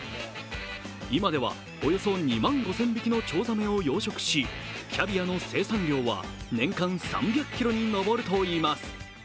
今ではおよそ２万５０００匹のチョウザメを養殖しキャビアの生産量は年間３００ｋｇに上るといいます。